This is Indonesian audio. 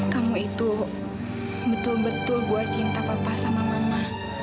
kamu itu betul betul buah cinta papa sama mama